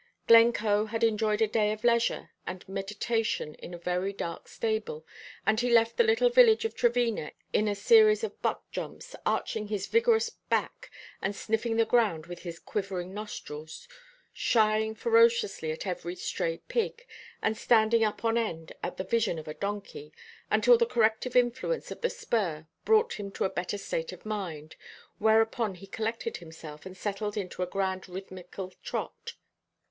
Glencoe had enjoyed a day of leisure and meditation in a very dark stable, and he left the little village of Trevena in a series of buck jumps, arching his vigorous back and sniffing the ground with his quivering nostrils, shying ferociously at every stray pig, and standing up on end at the vision of a donkey, until the corrective influence of the spur brought him to a better state of mind, whereupon he collected himself, and settled into a grand rhythmical trot.